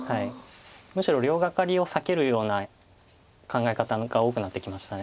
むしろ両ガカリを避けるような考え方が多くなってきました。